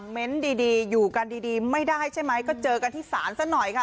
เม้นต์ดีอยู่กันดีไม่ได้ใช่ไหมก็เจอกันที่ศาลซะหน่อยค่ะ